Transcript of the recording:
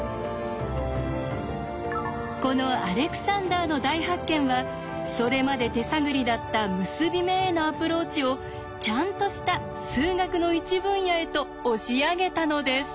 このアレクサンダーの大発見はそれまで手探りだった結び目へのアプローチをちゃんとした数学の一分野へと押し上げたのです。